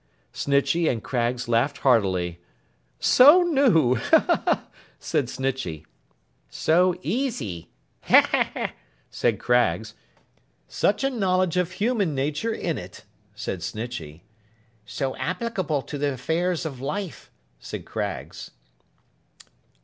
Snitchey and Craggs laughed heartily. 'So new!' said Snitchey. 'So easy!' said Craggs. 'Such a knowledge of human nature in it!' said Snitchey. 'So applicable to the affairs of life!' said Craggs.